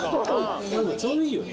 ちょうどいいよね？